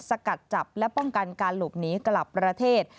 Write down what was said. สกัดจับและป้องกันการหลบหนีกลับประเทศ